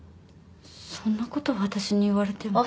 そんなこと私に言われても。